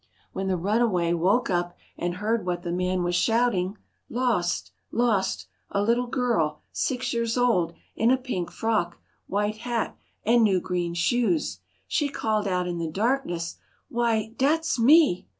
When the runaway woke up and heard what the man was shouting "Lost Lost A little girl, six years old, in a pink frock, white hat, and new, green shoes" she called out in the darkness: "Why dat's ME!"